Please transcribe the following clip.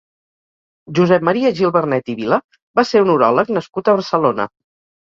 Josep Maria Gil-Vernet i Vila va ser un uròleg nascut a Barcelona.